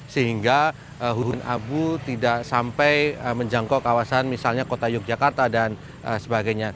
sehingga hurun abu tidak sampai menjangkau kawasan misalnya kota yogyakarta dan sebagainya